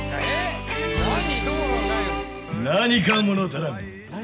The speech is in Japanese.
何か物足らぬ。